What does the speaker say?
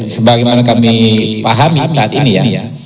sebagaimana kami pahami saat ini ya